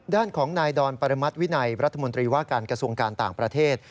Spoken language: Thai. ด้านของนายดอนปรมัติวินัยรัฐมนตรีว่าการกระทรวงการต่างประเทศ